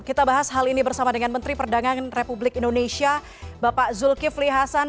kita bahas hal ini bersama dengan menteri perdagangan republik indonesia bapak zulkifli hasan